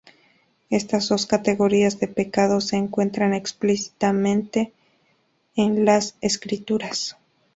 Estas dos categorías de pecado se encuentran explícita mente en las Escrituras.